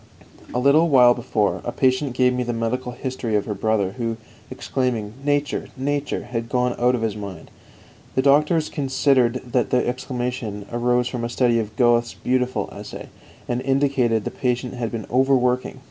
3. A little while before, a patient gave me the medical history of her brother, who, exclaiming "Nature, Nature!" had gone out of his mind. The doctors considered that the exclamation arose from a study of Goethe's beautiful essay, and indicated that the patient had been overworking.